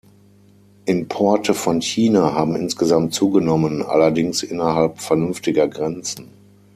Importe von China haben insgesamt zugenommen, allerdings innerhalb vernünftiger Grenzen.